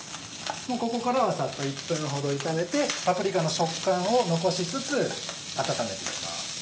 ここからはサッと１分ほど炒めてパプリカの食感を残しつつ温めていきます。